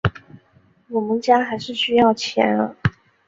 我们家还是需要钱啊